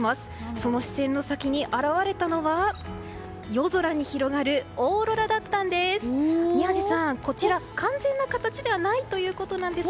その視線の先に現れたのは夜空に広がるオーロラだったんです。